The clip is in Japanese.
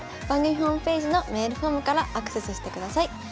番組ホームページのメールフォームからアクセスしてください。